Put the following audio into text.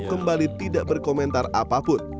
kembali tidak berkomentar apapun